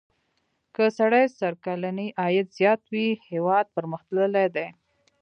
که سړي سر کلنی عاید زیات وي هېواد پرمختللی دی.